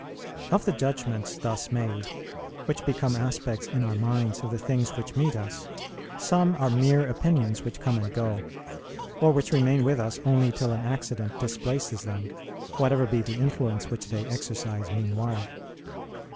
Of the judgments thus made, which become aspects in our minds of the things which meet us, some are mere opinions which come and go, or which remain with us only till an accident displaces them, whatever be the influence which they exercise meanwhile.